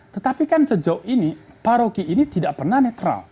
tetapi kan sejauh ini paroki ini tidak pernah netral